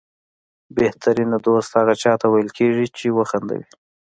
بهترینه دوست هغه چاته ویل کېږي چې وخندوي.